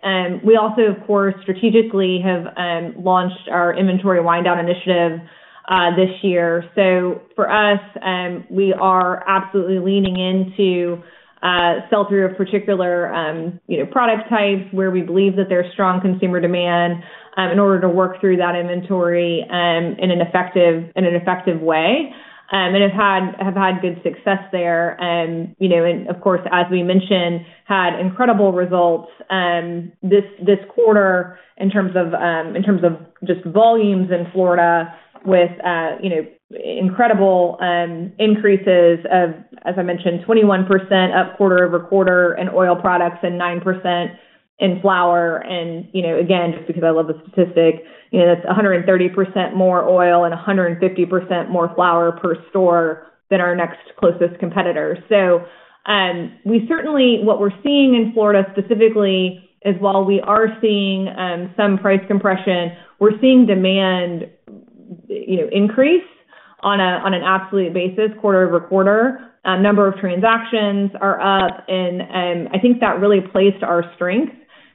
[SPEAKER 3] We also, of course, strategically have launched our inventory wind-down initiative this year. So for us, we are absolutely leaning in to sell through a particular, you know, product types where we believe that there's strong consumer demand in order to work through that inventory in an effective, in an effective way. And have had, have had good success there. You know, and of course, as we mentioned, had incredible results, this, this quarter in terms of, in terms of just volumes in Florida with, you know, incredible increases of, as I mentioned, 21% up quarter-over-quarter in oil products and 9% in flower. You know, again, just because I love the statistic, you know, that's 130% more oil and 150% more flower per store than our next closest competitor. We certainly, what we're seeing in Florida specifically is while we are seeing, some price compression, we're seeing demand, you know, increase on an absolute basis, quarter-over-quarter. Number of transactions are up, and I think that really plays to our strength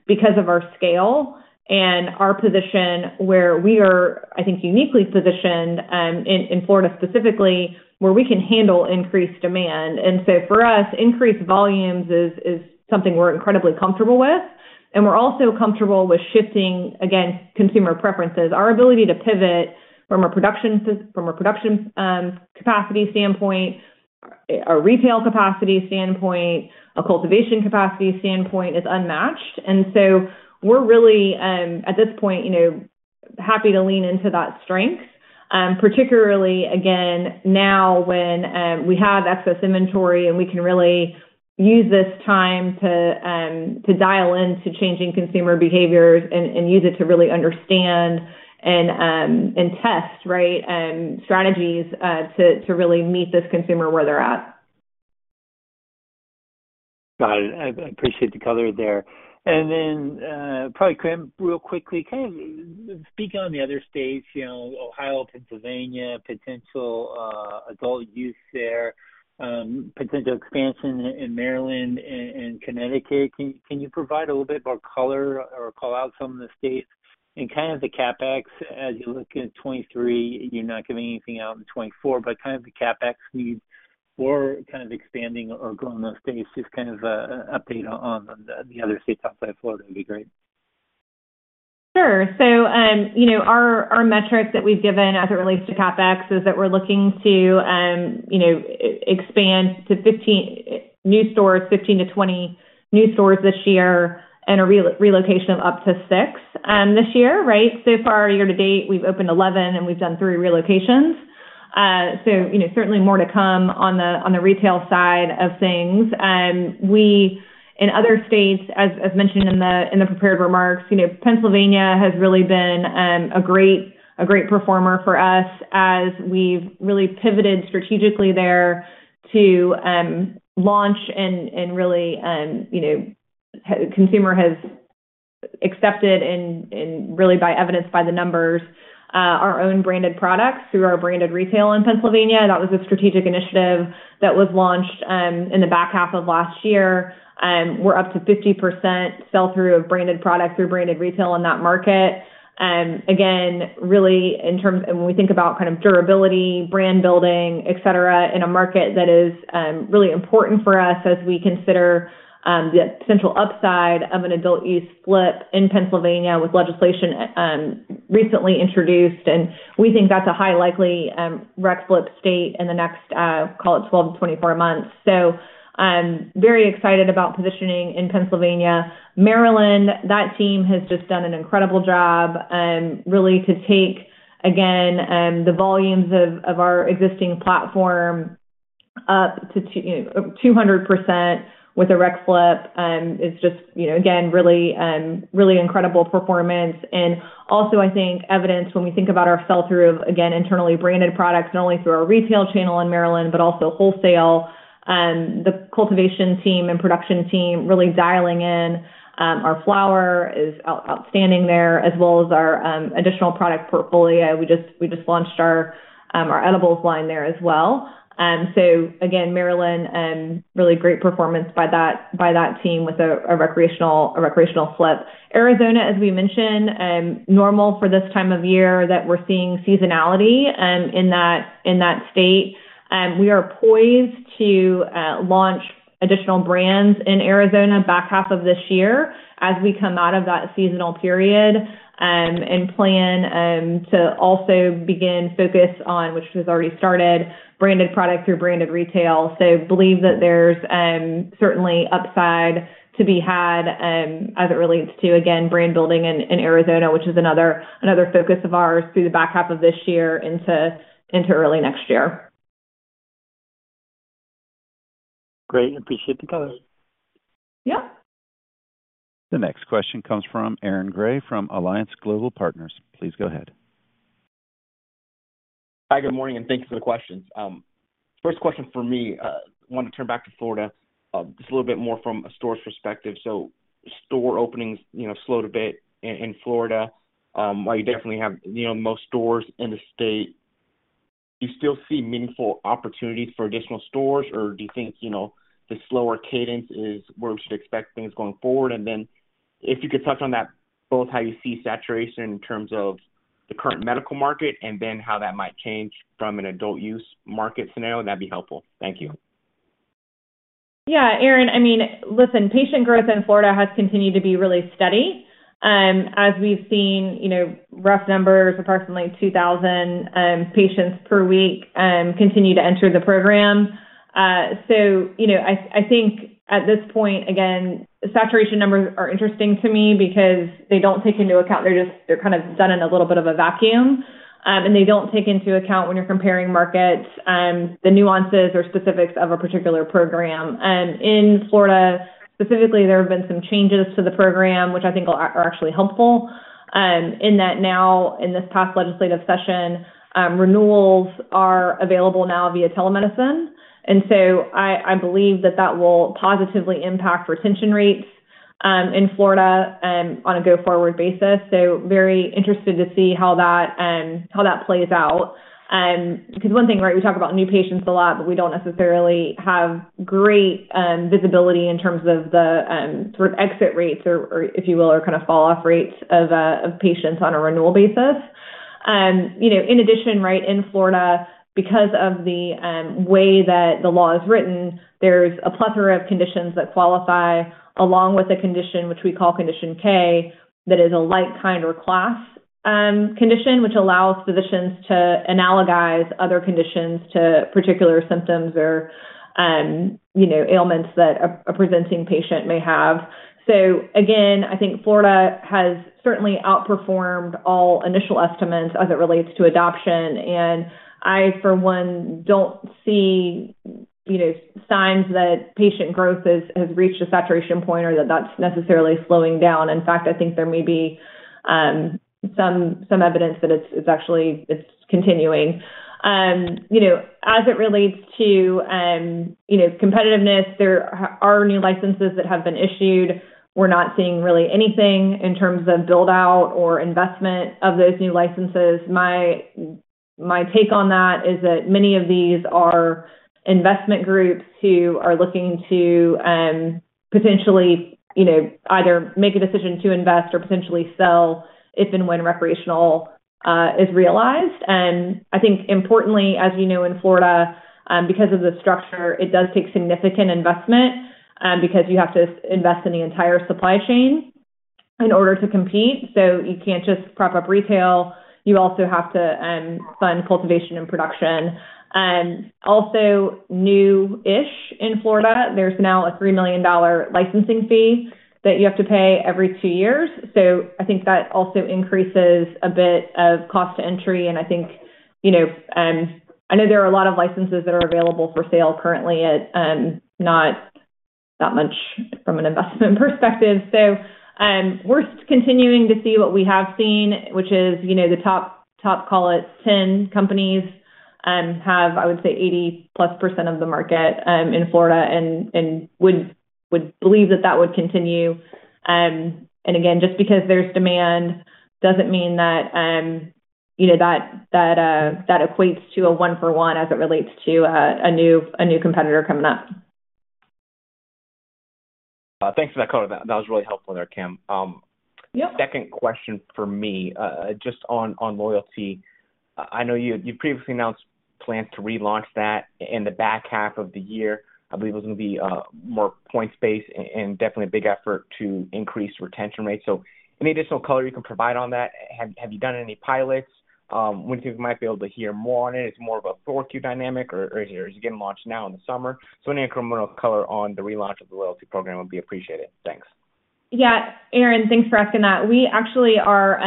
[SPEAKER 3] because of our scale and our position where we are, I think, uniquely positioned in Florida specifically, where we can handle increased demand. For us, increased volumes is something we're incredibly comfortable with, and we're also comfortable with shifting, again, consumer preferences. Our ability to pivot from a production from a production capacity standpoint, a retail capacity standpoint, a cultivation capacity standpoint, is unmatched. We're really, at this point, you know, happy to lean into that strength, particularly again, now, when we have excess inventory and we can really use this time to dial in to changing consumer behaviors and, and use it to really understand and test, right, strategies to really meet this consumer where they're at.
[SPEAKER 11] Got it. I, I appreciate the color there. Then, probably real quickly, can you speak on the other states, you know, Ohio, Pennsylvania, potential adult use there, potential expansion in Maryland and Connecticut? Can, can you provide a little bit more color or call out some of the states and kind of the CapEx as you look at 2023? You're not giving anything out in 2024, but kind of the CapEx needs for kind of expanding or growing those states, just kind of a update on the other states outside Florida would be great.
[SPEAKER 3] Sure. you know, our, our metrics that we've given as it relates to CapEx is that we're looking to, you know, expand to 15 new stores, 15-20 new stores this year, and a relocation of up to 6 this year, right? So far, year to date, we've opened 11 and we've done three relocations. you know, certainly more to come on the, on the retail side of things. We, in other states, as, as mentioned in the, in the prepared remarks, you know, Pennsylvania has really been, a great, a great performer for us as we've really pivoted strategically there to, launch and, and really, you know, consumer has accepted and, and really by evidenced by the numbers, our own branded products through our branded retail in Pennsylvania. That was a strategic initiative that was launched, in the back half of last year, we're up to 50% sell-through of branded products through branded retail in that market. Again, really, in terms, when we think about kind of durability, brand building, et cetera, in a market that is, really important for us as we consider, the potential upside of an adult use flip in Pennsylvania with legislation, recently introduced, and we think that's a high likely, rec flip state in the next, call it 12-24 months. Very excited about positioning in Pennsylvania. Maryland, that team has just done an incredible job, really to take again, the volumes of, of our existing platform, you know, 200% with a rec flip. It's just, you know, again, really, really incredible performance. Also, I think, evidence when we think about our sell-through of, again, internally branded products, not only through our retail channel in Maryland, but also wholesale. The cultivation team and production team really dialing in, our flower is outstanding there, as well as our additional product portfolio. We just, we just launched our edibles line there as well. Again, Maryland, really great performance by that, by that team with a recreational, a recreational flip. Arizona, as we mentioned, normal for this time of year, that we're seeing seasonality, in that, in that state. We are poised to launch additional brands in Arizona back half of this year as we come out of that seasonal period, and plan to also begin focus on, which has already started, branded products through branded retail. Believe that there's certainly upside to be had, as it relates to, again, brand building in Arizona, which is another, another focus of ours through the back half of this year into early next year.
[SPEAKER 11] Great. Appreciate the color.
[SPEAKER 3] Yeah.
[SPEAKER 1] The next question comes from Aaron Grey, from Alliance Global Partners. Please go ahead.
[SPEAKER 12] Hi, good morning, thanks for the questions. First question for me, I wanted to turn back to Florida, just a little bit more from a store's perspective. Store openings, you know, slowed a bit in Florida. While you definitely have, you know, most stores in the state, do you still see meaningful opportunities for additional stores? Do you think, you know, the slower cadence is where we should expect things going forward? Then if you could touch on that, both how you see saturation in terms of the current medical market and then how that might change from an adult use market scenario, that'd be helpful. Thank you.
[SPEAKER 3] Yeah, Aaron, I mean, listen, patient growth in Florida has continued to be really steady. As we've seen, you know, rough numbers, approximately 2,000 patients per week, continue to enter the program. You know, I, I think at this point, again, saturation numbers are interesting to me because they don't take into account. They're just, they're kind of done in a little bit of a vacuum, and they don't take into account when you're comparing markets, the nuances or specifics of a particular program. In Florida, specifically, there have been some changes to the program, which I think are, are actually helpful, in that now, in this past legislative session, renewals are available now via telemedicine. I, I believe that that will positively impact retention rates. In Florida, on a go-forward basis. Very interested to see how that how that plays out. Because one thing, right, we talk about new patients a lot, but we don't necessarily have great visibility in terms of the sort of exit rates or, or if you will, or kind of fall-off rates of patients on a renewal basis. You know, in addition, right, in Florida, because of the way that the law is written, there's a plethora of conditions that qualify, along with a condition which we call Condition K, that is a like kind or class condition, which allows physicians to analogize other conditions to particular symptoms or, you know, ailments that a, a presenting patient may have. Again, I think Florida has certainly outperformed all initial estimates as it relates to adoption, and I, for one, don't see, you know, signs that patient growth has reached a saturation point or that that's necessarily slowing down. In fact, I think there may be some, some evidence that it's, it's actually, it's continuing. You know, as it relates to, you know, competitiveness, there are new licenses that have been issued. We're not seeing really anything in terms of build-out or investment of those new licenses. My, my take on that is that many of these are investment groups who are looking to potentially, you know, either make a decision to invest or potentially sell if and when recreational is realized. I think importantly, as you know, in Florida, because of the structure, it does take significant investment, because you have to invest in the entire supply chain in order to compete. You can't just prop up retail, you also have to fund cultivation and production. Also new-ish in Florida, there's now a $3 million licensing fee that you have to pay every two years. I think that also increases a bit of cost to entry, and I think, you know, I know there are a lot of licenses that are available for sale currently at not that much from an investment perspective. We're continuing to see what we have seen, which is, you know, the top, top, call it, 10 companies have, I would say, 80%+ percent of the market in Florida, and, and would, would believe that that would continue. Again, just because there's demand doesn't mean that, you know, that, that equates to a 1 for 1 as it relates to a, a new, a new competitor coming up.
[SPEAKER 12] Thanks for that color. That was really helpful there, Kim.
[SPEAKER 3] Yep.
[SPEAKER 12] Second question for me, just on, on loyalty. I know you, you previously announced plans to relaunch that in the back half of the year. I believe it was gonna be, more points-based and, and definitely a big effort to increase retention rates. Any additional color you can provide on that? Have, have you done any pilots? When people might be able to hear more on it, it's more of a 4Q dynamic or, or is it getting launched now in the summer? Any incremental color on the relaunch of the loyalty program would be appreciated. Thanks.
[SPEAKER 3] Yeah, Aaron, thanks for asking that. We actually are,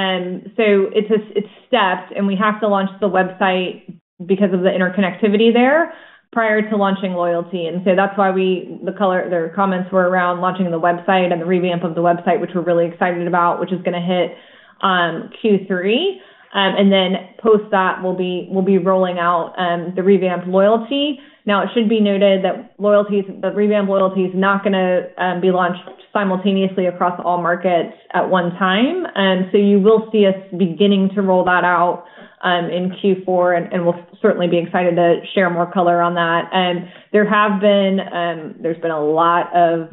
[SPEAKER 3] so it's it's stepped, and we have to launch the website because of the interconnectivity there, prior to launching loyalty. That's why we, the color the comments were around launching the website and the revamp of the website, which we're really excited about, which is gonna hit Q3. Then post that, we'll be, we'll be rolling out the revamped loyalty. It should be noted that loyalty, the revamped loyalty, is not gonna be launched simultaneously across all markets at one time. You will see us beginning to roll that out in Q4, and, and we'll certainly be excited to share more color on that. there have been, there's been a lot of,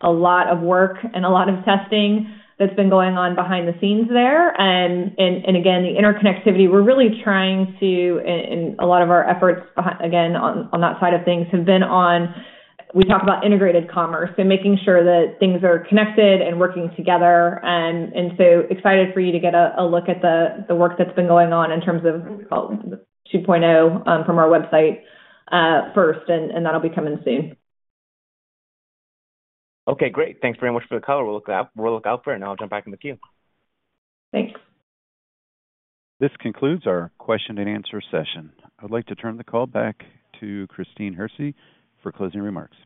[SPEAKER 3] a lot of work and a lot of testing that's been going on behind the scenes there. And, and again, the interconnectivity, we're really trying to, and, and a lot of our efforts again, on, on that side of things, have been on, we talk about integrated commerce. Making sure that things are connected and working together. So excited for you to get a, a look at the, the work that's been going on in terms of 2.0, from our website, first, and, and that'll be coming soon.
[SPEAKER 12] Okay, great. Thanks very much for the color. We'll look out, we'll look out for it. I'll jump back in the queue.
[SPEAKER 3] Thanks.
[SPEAKER 1] This concludes our question and answer session. I'd like to turn the call back to Christine Hersey for closing remarks.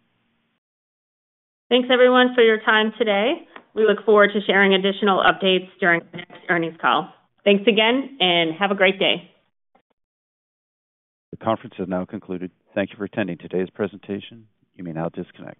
[SPEAKER 2] Thanks, everyone, for your time today. We look forward to sharing additional updates during the next earnings call. Thanks again, and have a great day.
[SPEAKER 1] The conference has now concluded. Thank you for attending today's presentation. You may now disconnect.